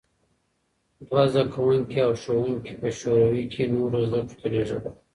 دوی زدکوونکي او ښوونکي په شوروي کې نورو زدکړو ته لېږل.